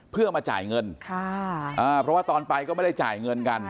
เพื่อมาจ่ายเงินค่ะอ่าเพราะว่าตอนไปก็ไม่ได้จ่ายเงินกัน